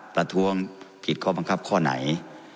ประท้วงผิดข้อบังคับข้อไหน